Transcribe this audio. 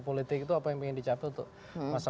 politik itu apa yang ingin dicapai untuk masa